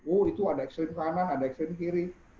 oh itu ada ekstrim kanan ada ekstrim kiri